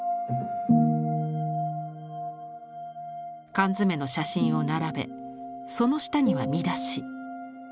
缶詰の写真を並べその下には見出し。